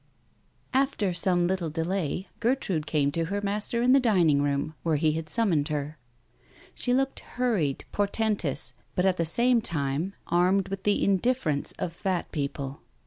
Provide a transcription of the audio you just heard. After some little delay, Gertrude came to her master in the dining room where he had summoned her. She looked hurried, portentous, but at the same time, armed with the indifference of fat people.